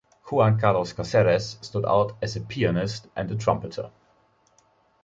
Juan Carlos Cáceres stood out as a pianist and trumpeter.